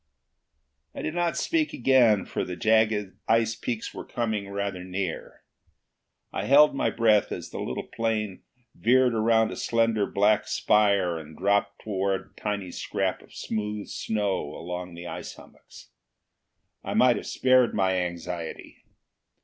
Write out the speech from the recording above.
I did not speak again, for the jagged ice peaks were coming rather near. I held my breath as the little plane veered around a slender black spire and dropped toward a tiny scrap of smooth snow among the ice hummocks. I might have spared my anxiety.